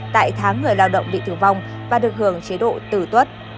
tại tháng người lao động bị tử vong và được hưởng chế độ tử tuất